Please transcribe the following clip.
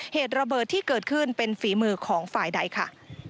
เหตุระเบิดที่เกิดขึ้นเป็นฝีมือของฝ่ายใดค่ะ